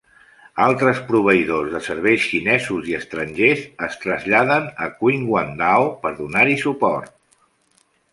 Altres proveïdors de serveis xinesos i estrangers es traslladen a Qinhuangdao per donar-hi suport.